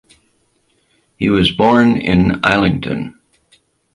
He was born in Islington.